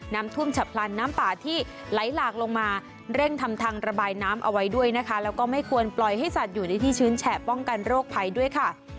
น้ำท่วมฉับพลันน้ำป่าที่ไหลหลากลงมาเร่งทำทางระบายน้ำเอาไว้ด้วยนะคะแล้วก็ไม่ควรปล่อยให้สัตว์อยู่ในที่ชื้นแฉะป้องกันโรคภัยด้วยค่ะ